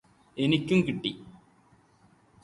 എനിക്കും കിട്ടി.